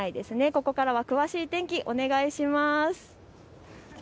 ここからは詳しい天気、お願いします。